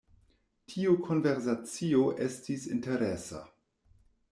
Tiu konversacio estis interesa.